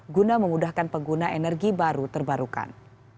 guna memudahkan pengguna energi baru terbarukan